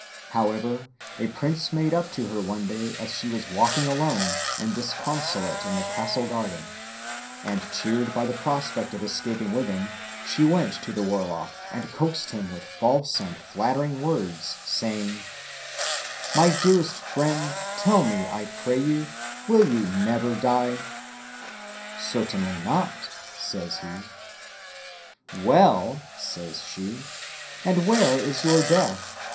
However, a prince made up to her one day as she was walking alone and disconsolate in the castle garden, and cheered by the prospect of escaping with him she went to the warlock and coaxed him with false and flattering words, saying, "My dearest friend, tell me, I pray you, will you never die?" "Certainly not," says he. "Well," says she, "and where is your death?